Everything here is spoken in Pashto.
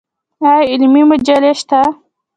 آیا علمي مجلې شته؟